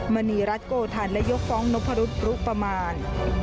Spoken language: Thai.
มณีรัฐโกธันและยกฟ้องนพรุษรุประมาณ